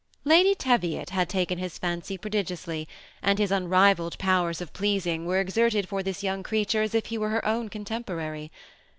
189 Lady Teviot had taken his fancy prodigiously, and his unrivalled powers of pleasing were exerted for this young creature as if he were her own contemporary.